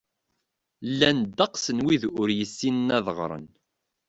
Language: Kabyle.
Llan ddeqs n wid ur yessinen ad ɣren.